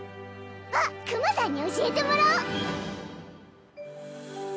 あっクマさんに教えてもらお！